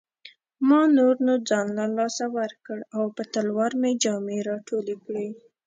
ما نور نو ځان له لاسه ورکړ او په تلوار مې جامې راټولې کړې.